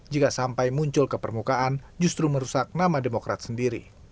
jika sampai muncul ke permukaan justru merusak nama demokrat sendiri